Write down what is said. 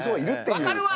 わかるわ！